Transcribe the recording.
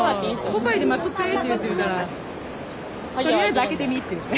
ポパイで待っとってって言うて言えたらとりあえず開けてみって言って。